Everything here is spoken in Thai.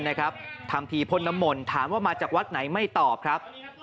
ท่ามที่พ่นน้ำมนถามว่ามาจากวัดไหนไม่ตอบ